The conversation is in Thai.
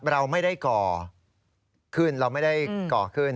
เราไม่ได้ก่อขึ้นเราไม่ได้ก่อขึ้น